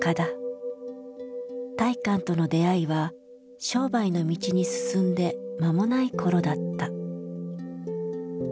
大観との出会いは商売の道に進んで間もない頃だった。